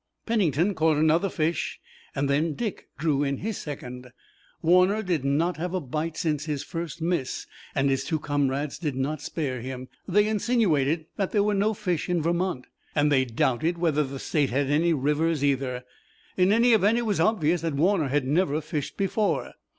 Pennington caught another fish and then Dick drew in his second. Warner did not have a bite since his first miss and his two comrades did not spare him. They insinuated that there were no fish in Vermont, and they doubted whether the state had any rivers either. In any event it was obvious that Warner had never fished before.